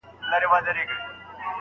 شاګرد له استاد سره مخالفت ښودلای سي.